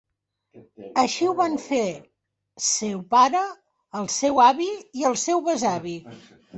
Així ho van fer seu pare, el seu avi i el seu besavi.